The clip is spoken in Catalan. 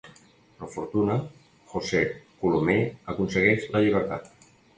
Per fortuna, José Colomer aconsegueix la llibertat.